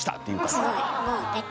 すごい。